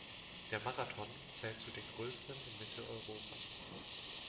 Der Marathon zählt zu den größten in Mitteleuropa.